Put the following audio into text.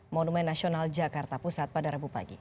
monumen nasional jakarta pusat pada rabu pagi